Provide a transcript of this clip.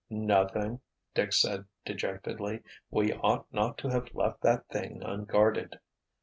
"Nothing," Dick said dejectedly. "We ought not to have left that thing unguarded."